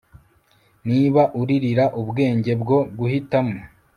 Niba uririra ubwenge bwo guhitamo